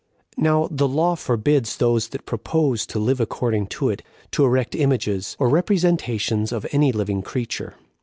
Now the law forbids those that propose to live according to it, to erect images 6 or representations of any living creature.